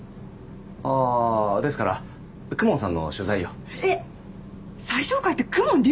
ああーですから公文さんの取材をえっ最上階って公文竜